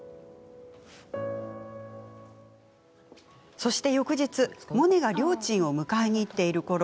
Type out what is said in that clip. そして翌日、モネがりょーちんを迎えに行っているころ